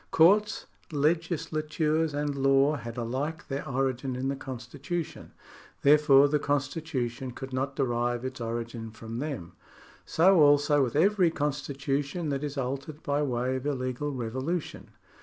Courts, legislatures, and law had alike their origin in the constitution, therefore the constitu tion could not derive its origin from them. 80 also with every constitution that is altered by way of illegal revolution.